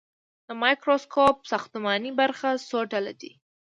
د مایکروسکوپ ساختماني برخې څو ډوله دي.